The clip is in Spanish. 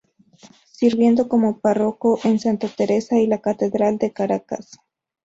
Sirviendo como párroco en Santa Teresa y la Catedral de Caracas.